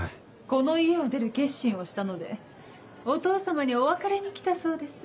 この家を出る決心をしたのでお父様にお別れに来たそうです。